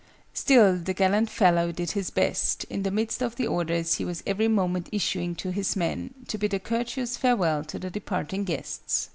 Still the gallant fellow did his best, in the midst of the orders he was every moment issuing to his men, to bid a courteous farewell to the departing guests.